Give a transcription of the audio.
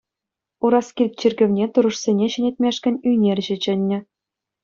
Ураскильт чиркӗвне турӑшсене ҫӗнетмешкӗн ӳнерҫӗ чӗннӗ.